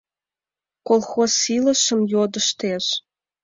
Колхоз илышым йодыштеш.